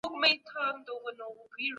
د سیاست پوهه د هر چا لپاره اړینه ده.